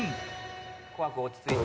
小涌落ち着いて。